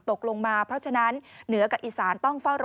ตกลงมาเพราะฉะนั้นเหนือกับอีกษานต้อง